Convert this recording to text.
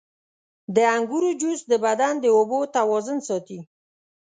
• د انګورو جوس د بدن د اوبو توازن ساتي.